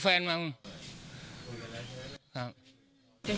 แต่คือเรื่องนี้คือเราไม่อยากจะให้